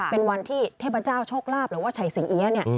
เป็นวันที่ทิศเทพเจ้าโชคลาบหรือว่าฉัยเสียงเยี๊ยบ